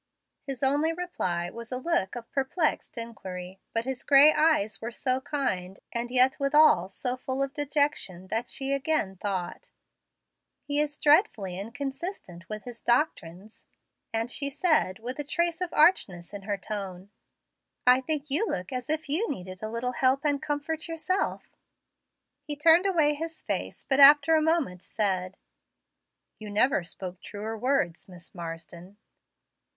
His only reply was a look of perplexed inquiry, but his gray eyes were so kind, and yet withal so full of dejection, that she again thought, "He is dreadfully inconsistent with his doctrines"; and she said, with a trace of archness in her tone, "I think you look as if you needed a little help and comfort yourself." He turned away his face, but after a moment said, "You never spoke truer words, Miss Marsden."